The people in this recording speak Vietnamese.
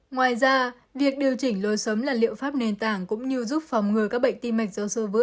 ngoài ra việc điều chỉnh lối sống là liệu pháp nền tảng cũng như giúp phòng ngừa các bệnh tim mạch do sơ vữa